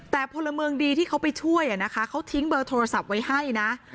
แต่พลเมืองดีที่เขาไปช่วยนะคะเขาทิ้งเบอร์โทรศัพท์ไว้ให้นะ